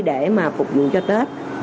để mà phục vụ cho tết